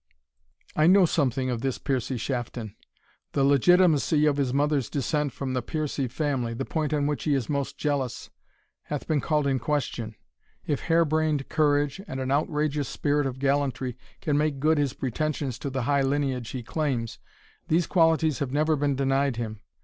I know something of this Piercie Shafton. The legitimacy of his mother's descent from the Piercie family, the point on which he is most jealous, hath been called in question. If hairbrained courage, and an outrageous spirit of gallantry, can make good his pretensions to the high lineage he claims, these qualities have never been denied him.